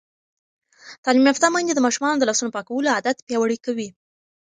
تعلیم یافته میندې د ماشومانو د لاسونو پاکولو عادت پیاوړی کوي.